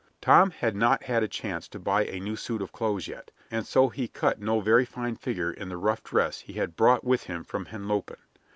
Tom had not had a chance to buy a new suit of clothes yet, and so he cut no very fine figure in the rough dress he had brought with him from Henlopen.